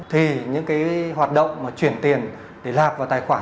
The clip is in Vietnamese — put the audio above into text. thì những hoạt động chuyển tiền để lạc vào tài khoản